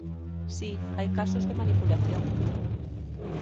Si, hai casos de manipulación.